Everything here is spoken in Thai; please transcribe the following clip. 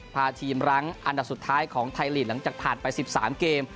พาทีมรั้งอันดับสุดท้ายของไทยลีกหลังจากผ่านไป๑๓เกม